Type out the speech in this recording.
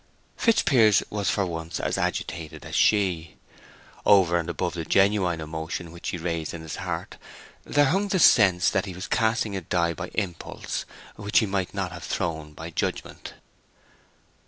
Fitzpiers was for once as agitated as she. Over and above the genuine emotion which she raised in his heart there hung the sense that he was casting a die by impulse which he might not have thrown by judgment.